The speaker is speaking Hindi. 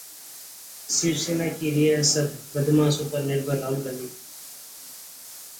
बीजेपी, शिवसेना की सियासत बदमाशों पर निर्भर: राहुल गांधी